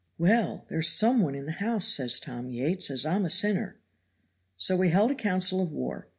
'Why, there's some one in the house,' says Tom Yates, 'as I'm a sinner.' So we held a council of war.